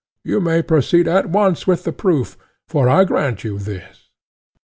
Cebes said: You may proceed at once with the proof, for I grant you this.